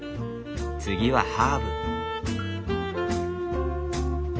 次はハーブ。